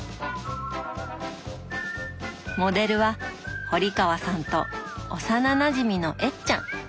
モデルは堀川さんと幼なじみの「えっちゃん」。